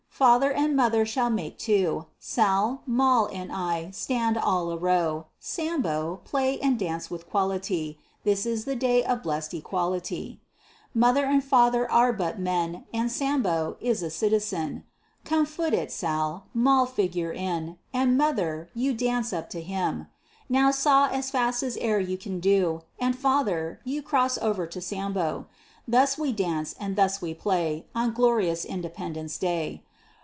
Father and mother shall make two; Sal, Moll, and I stand all a row; Sambo, play and dance with quality; This is the day of blest equality. Father and mother are but men, And Sambo is a citizen. Come foot it, Sal Moll, figure in, And mother, you dance up to him; Now saw as fast as e'er you can do, And father, you cross o'er to Sambo. Thus we dance, and thus we play, On glorious independence day.